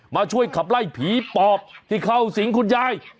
มาช่วยขับไล่ผีปอบที่เข้าสิงคุณยาย